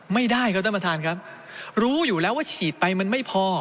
ไม่ได้ครับท่านประธานครับรู้อยู่แล้วว่าฉีดไปมันไม่พอ